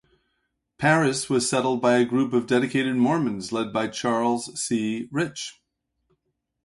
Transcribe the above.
Paris was settled by a group of dedicated Mormons led by Charles C Rich.